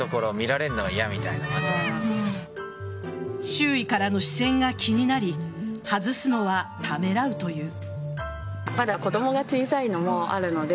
周囲からの視線が気になり外すのはためらうという。